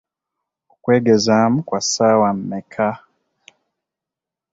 Okwegezaamu kwa saawa mekka.?